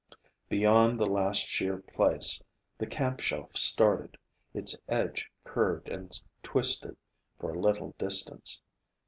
Beyond the last sheer place, the camp shelf started. Its edge curved and twisted for a little distance.